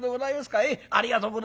ありがとうございます。